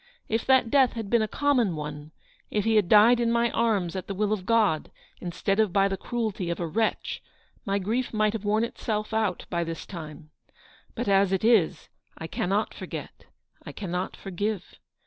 If that death had been a common one ; if he had died in my arms at the will of God instead of by the cruelty of a wretch, my grief might have worn itself out by this time. But as it is, I cannot forget; I cannot forgive.